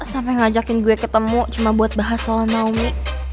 sampe ngajakin gue ketemu cuma buat bahas soal naomi